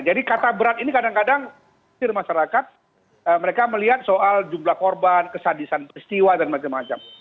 jadi kata berat ini kadang kadang di masyarakat mereka melihat soal jumlah korban kesadisan peristiwa dan macam macam